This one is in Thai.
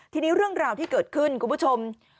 ทีนี้เรื่องราวที่เกิดขึ้นคุณผู้ชม